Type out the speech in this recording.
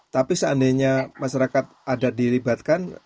tapi seandainya masyarakat ada diribatkan